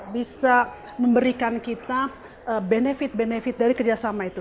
bisa memberikan kita benefit benefit dari kerjasama itu